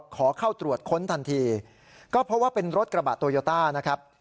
ขอเข้าตรวจค้นทันทีก็เพราะว่าเป็นรถกระบะโตโยต้านะครับ